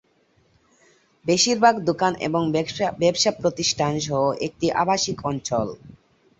বেশিরভাগ দোকান এবং ব্যবসা প্রতিষ্ঠান সহ একটি আবাসিক অঞ্চল।